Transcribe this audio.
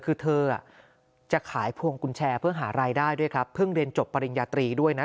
คือเธอจะขายพวงกุญแจเพื่อหารายได้ด้วยครับเพิ่งเรียนจบปริญญาตรีด้วยนะ